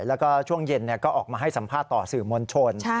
แล้วก็ช่วงเย็นก็ออกมาให้สัมภาษณ์ต่อสื่อมวลชน